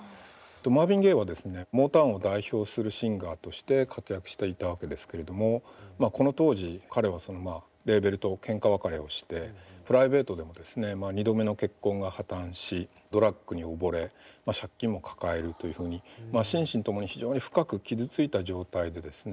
マーヴィン・ゲイはですねモータウンを代表するシンガーとして活躍していたわけですけれどもこの当時彼はそのまあレーベルとけんか別れをしてプライベートでもですね２度目の結婚が破綻しドラッグに溺れ借金も抱えるというふうに心身ともに非常に深く傷ついた状態でですね